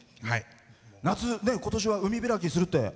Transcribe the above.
夏、ことしは海開きするって。